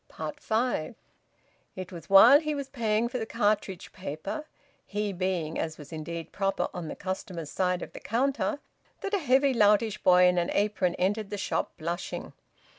FIVE. It was while he was paying for the cartridge paper he being, as was indeed proper, on the customers' side of the counter that a heavy loutish boy in an apron entered the shop, blushing.